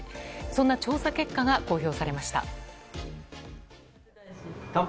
そんな調査結果が公表されました。